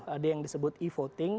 ada yang disebut e voting